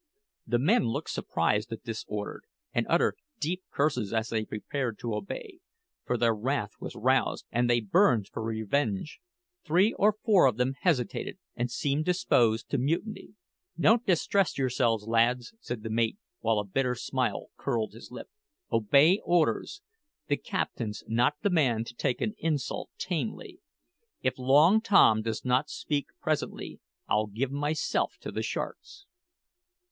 The men looked surprised at this order, and uttered deep curses as they prepared to obey; for their wrath was roused, and they burned for revenge. Three or four of them hesitated, and seemed disposed to mutiny. "Don't distress yourselves, lads," said the mate, while a bitter smile curled his lip. "Obey orders. The captain's not the man to take an insult tamely. If Long Tom does not speak presently, I'll give myself to the sharks."